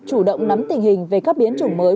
chủ động nắm tình hình về các biến chủng mới